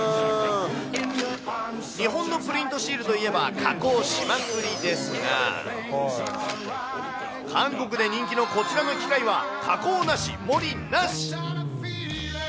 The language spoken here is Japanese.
日本のプリントシールといえば、加工しまくりですが、韓国で人気のこちらの機械は、加工なし、盛りなし。